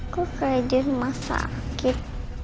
kok kerajin masa akib